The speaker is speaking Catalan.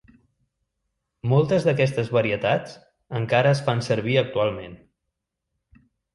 Moltes d'aquestes varietats encara es fan servir actualment.